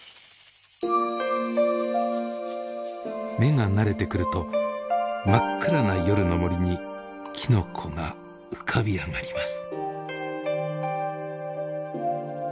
目が慣れてくると真っ暗な夜の森にきのこが浮かび上がります。